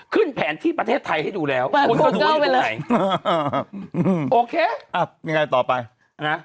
ขึ้นแผนที่ประเทศไทยให้ดูแล้วโอเคอ่ะยังไงต่อไปอ่ะ